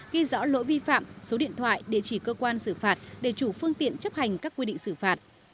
ghi rõ lỗi vi phạm số điện thoại địa chỉ cơ quan xử phạt để chủ phương tiện chấp hành các quy định xử phạt